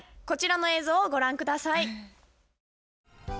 こちらの映像をご覧下さい。